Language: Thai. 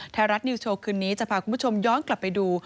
ไทยรัฐนิวโชว์คืนนี้จะพาคุณผู้ชมย้อนกลับไปดู